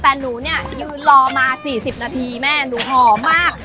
แต่หนูเนี่ยยืนรอมา๔๐นาทีแม่หนูหอมมาก